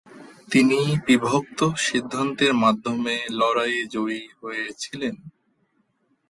তিনি বিভক্ত সিদ্ধান্তের মাধ্যমে লড়াইয়ে জয়ী হয়েছিলেন।